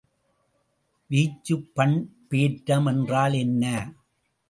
வீச்சுப் பண்பேற்றம் என்றால் என்ன?